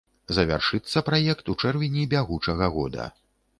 Завяршыцца праект у чэрвені бягучага года.